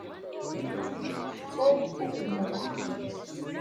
Ttwaliɣ-t ad yerbeḥ.